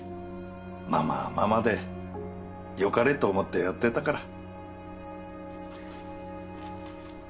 ママはママでよかれと思ってやってたから。